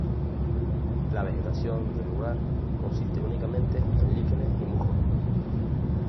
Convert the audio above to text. La vegetación del lugar consiste únicamente en líquenes y musgos.